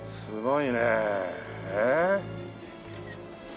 すごいね。